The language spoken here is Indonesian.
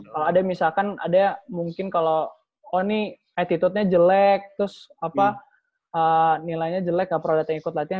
kalau ada misalkan ada mungkin kalau oh ini attitude nya jelek terus nilainya jelek nggak perlu ada yang ikut latihan